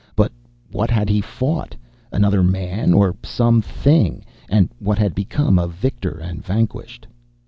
But what had he fought? Another man, or some thing? And what had become of victor and vanquished?